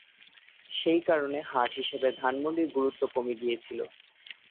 সেই কারণে হাট হিসাবে ধানমন্ডির গুরুত্ব কমে গিয়েছিল।